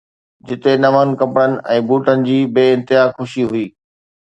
جتي نون ڪپڙن ۽ بوٽن جي بي انتها خوشي هئي.